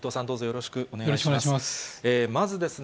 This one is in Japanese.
よろしくお願いします。